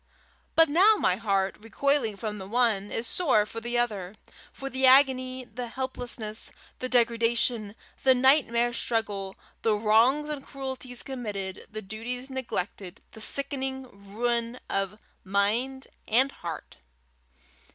But now my heart, recoiling from the one, is sore for the other for the agony, the helplessness, the degradation, the nightmare struggle, the wrongs and cruelties committed, the duties neglected, the sickening ruin of mind and heart.